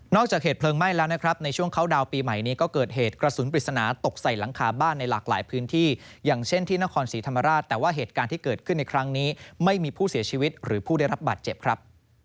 จากเหตุเพลิงไหม้แล้วนะครับในช่วงเขาดาวน์ปีใหม่นี้ก็เกิดเหตุกระสุนปริศนาตกใส่หลังคาบ้านในหลากหลายพื้นที่อย่างเช่นที่นครศรีธรรมราชแต่ว่าเหตุการณ์ที่เกิดขึ้นในครั้งนี้ไม่มีผู้เสียชีวิตหรือผู้ได้รับบาดเจ็บครับ